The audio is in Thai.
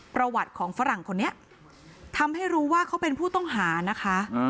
ประวัติของฝรั่งคนนี้ทำให้รู้ว่าเขาเป็นผู้ต้องหานะคะ